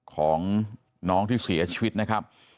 ของน้องที่เสียชีวิตนะครับ